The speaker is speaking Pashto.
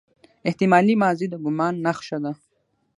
احتمالي ماضي د ګومان نخښه ده.